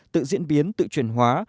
tự diễn biến tự truyền hóa